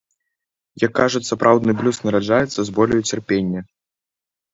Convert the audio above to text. Як кажуць, сапраўдны блюз нараджаецца з болю і цярпення.